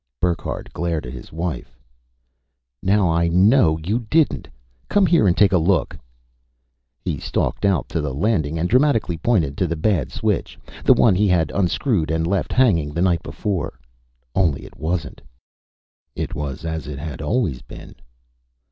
Burckhardt glared at his wife. "Now I know you didn't! Come here and take a look!" He stalked out to the landing and dramatically pointed to the bad switch, the one that he had unscrewed and left hanging the night before.... Only it wasn't. It was as it had always been.